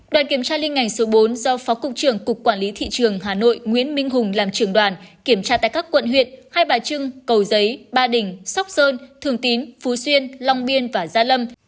đoàn kiểm tra liên ngành số bốn do phó cục trưởng cục quản lý thị trường hà nội nguyễn minh hùng làm trưởng đoàn kiểm tra tại các quận huyện hai bà trưng cầu giấy ba đình sóc sơn thường tín phú xuyên long biên và gia lâm